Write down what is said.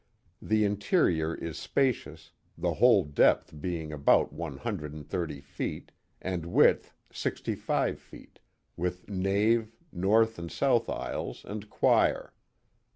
The interior is spacious, the whole depth being about one hundred and thirty feet, and width sixty five feet, with nave, north and south aisles, and choir.